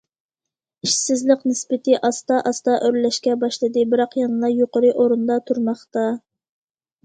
ئىشسىزلىق نىسبىتى ئاستا- ئاستا ئۆرلەشكە باشلىدى، بىراق يەنىلا يۇقىرى ئورۇندا تۇرماقتا.